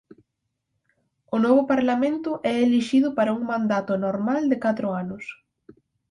O novo Parlamento é elixido para un mandato normal de catro anos.